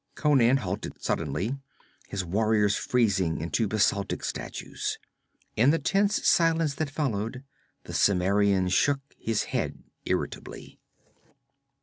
Conan halted suddenly, his warriors freezing into basaltic statues. In the tense silence that followed, the Cimmerian shook his head irritably.